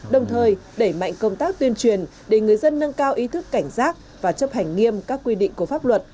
đồng thời đẩy mạnh công tác tuyên truyền để người dân nâng cao ý thức cảnh giác và chấp hành nghiêm các quy định của pháp luật